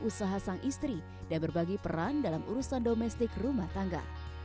usaha sang istri dan berbagi peran dalam urusan domestik rumah tangga